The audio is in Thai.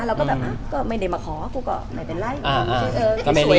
เราก็แบบงับไม่มีใครมาขอกูก็ไม่เป็นไร